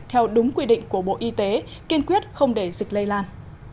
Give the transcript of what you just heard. theo đúng quy định của bộ y tế kiên quyết không để dịch lây lan